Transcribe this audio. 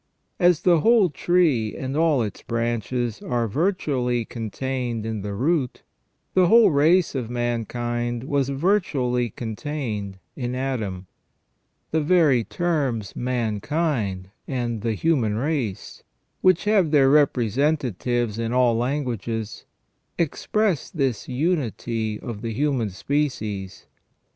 As the whole tree and all its branches are virtually contained in the root, the whole race of mankind was virtually contained in Adam. The very terms mankind and the human race, which have their representatives in all languages, express this unity of the human species.